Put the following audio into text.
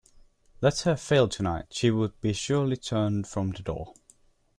Let her fail tonight, she would be surely turned from the door.